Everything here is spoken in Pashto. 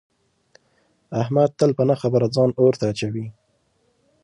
احمد تل په نه خبره ځان اور ته اچوي.